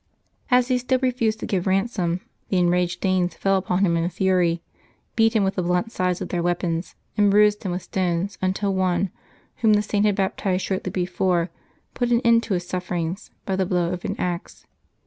As he still refused to give ransom, the enraged Danes fell upon him in a fury, beat him with the blunt sides of their weapons, and bruised him with stones until one, whom the Saint had baptized shortly before, put an end to his sufferings by the blow of an axe.